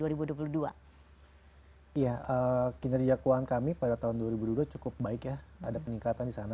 iya kinerja keuangan kami pada tahun dua ribu dua cukup baik ya ada peningkatan di sana